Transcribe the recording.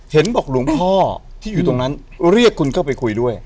เห็นบอกหลวงพ่อที่อยู่ตรงนั้นเรียกคุณเข้าไปคุยด้วย